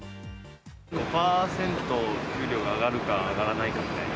５％給料が上がるか上がらないかみたいな。